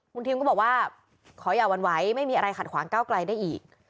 คุณทิมก็บอกว่าขออย่าหวั่นไหวไม่มีอะไรขัดขวางก้าวไกลได้อีก